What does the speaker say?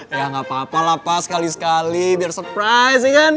ya gak apa apa lah pak sekali sekali biar surprise ya kan